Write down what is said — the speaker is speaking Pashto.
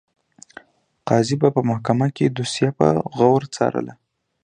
قاضي به په محکمه کې دوسیه په غور څارله.